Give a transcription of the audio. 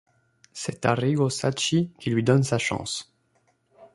C'est Arrigo Sacchi qui lui donne sa chance.